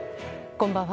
こんばんは。